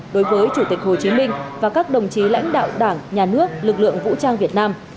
đối với chủ tịch hồ chí minh và các đồng chí lãnh đạo đảng nhà nước lực lượng vũ trang việt nam